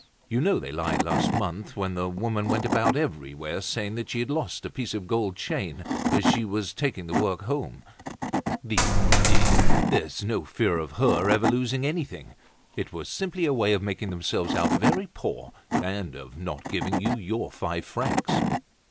"You know they lied last month when the woman went about everywhere saying that she had lost a piece of gold chain as she was taking the work home. The idea! There's no fear of her ever losing anything! It was simply a way of making themselves out very poor and of not giving you your five francs."